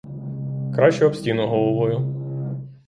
Краще об стіну головою.